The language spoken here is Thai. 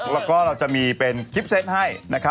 เราจะมีเป็นกิ้บเซ็ตให้นะครับ